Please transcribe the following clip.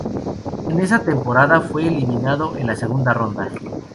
En esa temporada fue eliminado en la segunda ronda.